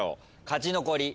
勝ち残り。